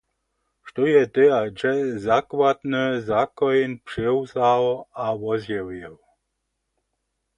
Štó je hdy a hdźe zakładny zakoń přiwzał a wozjewił?